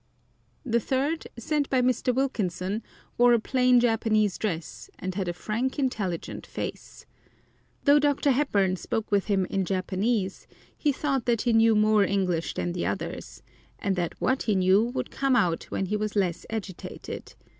The third, sent by Mr. Wilkinson, wore a plain Japanese dress, and had a frank, intelligent face. Though Dr. Hepburn spoke with him in Japanese, he thought that he knew more English than the others, and that what he knew would come out when he was less agitated.